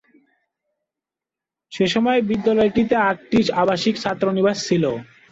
সেস্ময় বিদ্যালয়টিতে আটটি আবাসিক ছাত্রীনিবাস ছিল।